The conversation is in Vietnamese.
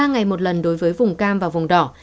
ba ngày một lần đối với vùng cam và vùng đỏ